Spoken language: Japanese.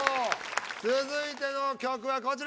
続いての曲はこちら。